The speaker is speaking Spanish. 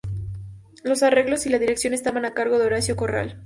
Los arreglos y la dirección estaban a cargo de Horacio Corral.